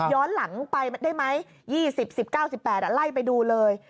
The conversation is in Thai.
หลังไปได้ไหม๒๐๑๙๑๘ไล่ไปดูเลย